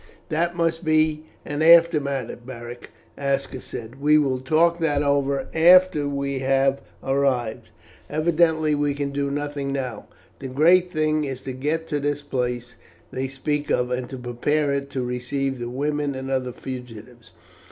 "That must be an after matter, Beric," Aska said. "We will talk that over after we have arrived. Evidently we can do nothing now. The great thing is to get to this place they speak of, and to prepare it to receive the women and other fugitives.